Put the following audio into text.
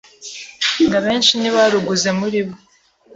ngo abenshi ntibaruguze muri bo